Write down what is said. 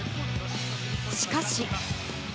しかし。